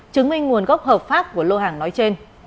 chứng minh nguồn gốc hợp pháp của lô hàng nói trên